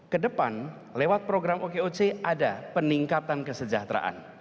kedepan lewat program okoc ada peningkatan kesejahteraan